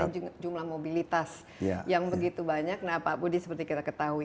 karena jumlah mobilitas yang begitu banyak nah pak budi seperti kita ketahui